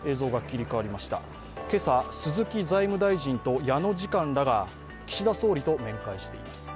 今朝、鈴木財務大臣と矢野次官らが岸田総理と面会しています。